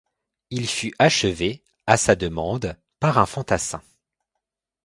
Il fut achevé, à sa demande, par un fantassin.